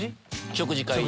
食事会。